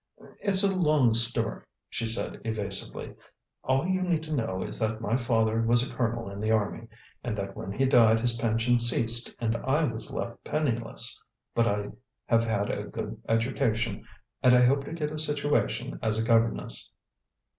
"It's a long story," she said evasively; "all you need know is that my father was a Colonel in the army, and that when he died his pension ceased and I was left penniless. But I have had a good education, and I hope to get a situation as a governess."